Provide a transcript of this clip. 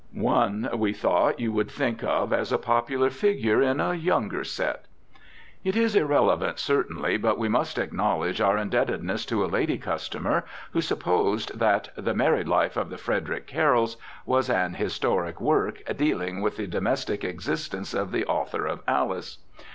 One, we thought, you would think of as a popular figure in a younger "set." It is irrelevant, certainly, but we must acknowledge our indebtedness to a lady customer who supposed that the "Married Life of the Frederic Carrolls" was an historic work, dealing with the domestic existence of the author of "Alice."